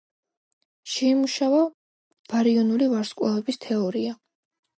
შეიმუშავა ბარიონული ვარსკვლავების თეორია.